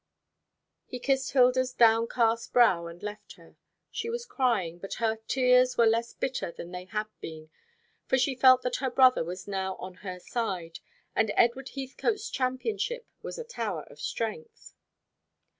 He kissed Hilda's downcast brow and left her. She was crying; but her tears were less bitter than they had been, for she felt that her brother was now on her side; and Edward Heathcote's championship was a tower of strength.